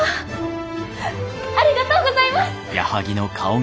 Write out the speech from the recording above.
ありがとうございます！